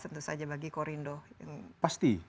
tentu saja bagi korindo yang pasti